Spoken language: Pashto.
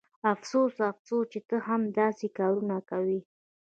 افسوس افسوس چې ته هم داسې کارونه کوې